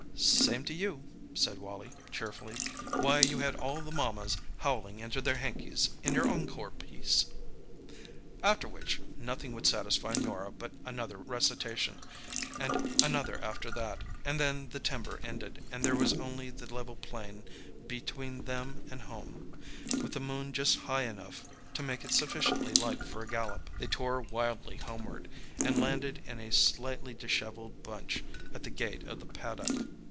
"Same to you," said Wally cheerfully. "Why, you had all the mammas howling into their hankies in your encore piece!" After which nothing would satisfy Norah but another recitation, and another after that; and then the timber ended, and there was only the level plain be tween them and home, with the moon just high enough to make it sufficiently light for a gallop. They tore wildly homeward, and landed in a slightly dishevelled bunch at the gate of the paddock.